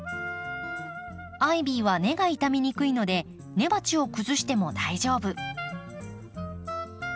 アイビーは根が傷みにくいので根鉢を崩しても大丈夫。